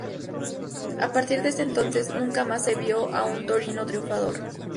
A partir de ese entonces, nunca más se vio a un Torino triunfador.